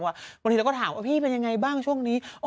บางทีเราก็ถามว่าพี่เป็นยังไงบ้างช่วงนี้